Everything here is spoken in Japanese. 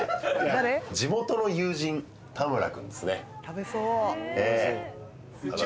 地元の友人田村君ですね。